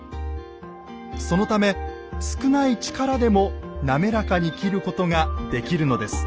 そのため少ない力でも滑らかに斬ることができるのです。